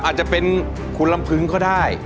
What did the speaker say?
อาจจะเป็นคุณลำพึงก็ได้